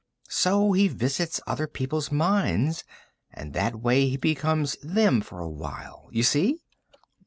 So he visits other people's minds, and that way he becomes them for a while. You see?"